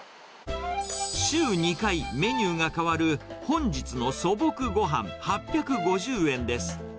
週２回、メニューが変わる本日の素朴ゴハン８５０円です。